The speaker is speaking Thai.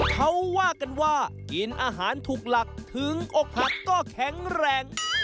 เขาว่ากันว่ากินอาหารถูกหลักถึงอกหักก็แข็งแรง